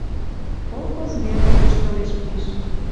Колхоз верц йыштылеш пиш...